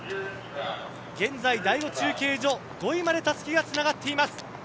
現在、第５中継所５位までたすきがつながっています。